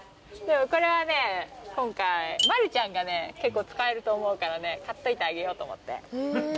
これは今回丸ちゃんが結構使えると思うから買っといてあげようと思って。